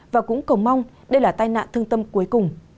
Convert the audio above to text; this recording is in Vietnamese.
và cũng cầu mong đây là tai nạn thương tâm cuối cùng